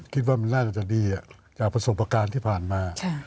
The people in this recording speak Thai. คิดว่ามันน่าจะดีจากประสบการณ์ที่ผ่านมา